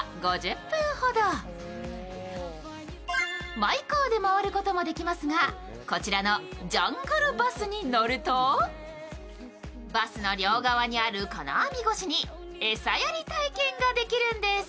マイカーで回ることもできますがこちらのジャングルバスに乗るとバスの両側にある金網越しに餌やり体験ができるんです。